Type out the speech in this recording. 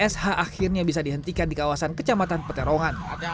sh akhirnya bisa dihentikan di kawasan kecamatan peterongan